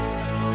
gak tahu kok